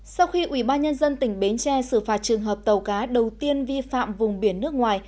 sau khi ubnd tỉnh bến tre xử phạt trường hợp tàu cá đầu tiên vi phạm vùng biển nước ngoài